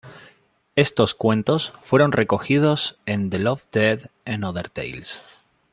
Estos cuentos fueron recogidos en "The Loved Dead and Other Tales".